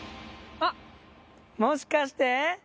あっ、もしかして？